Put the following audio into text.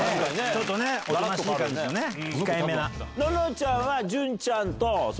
ののちゃんは。